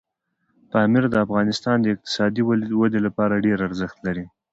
پامیر د افغانستان د اقتصادي ودې لپاره ډېر ارزښت لري.